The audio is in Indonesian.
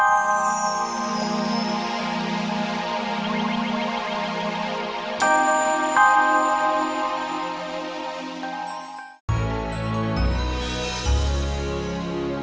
untuk membuat rai